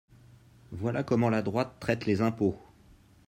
Voilà comment la droite traite les impôts